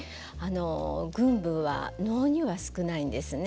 群舞は能には少ないんですね。